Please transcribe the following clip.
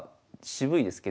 渋いですね。